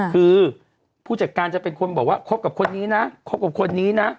คือผู้จัดการจะเป็นคนบอกว่าคบกับคนนี้นะคบกับคนนี้นะ